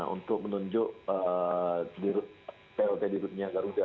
untuk menunjuk plt di rut nya garuda